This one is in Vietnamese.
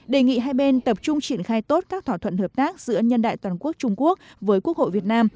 đề nghị hai bên tập trung triển khai tốt các thỏa thuận hợp tác giữa nhân đại toàn quốc trung quốc với quốc hội việt nam